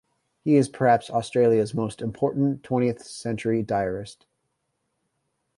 He is perhaps Australia's most important twentieth-century diarist.